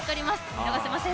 見逃せません。